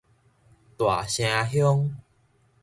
大城鄉